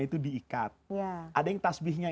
itu diikat ada yang tasbihnya